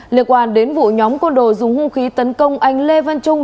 liên quan đến vụ nhóm côn đồ dùng hung khí tấn công anh lê văn trung